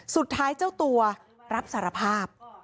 สุดท้ายเจ้าตัวรับสารภาพ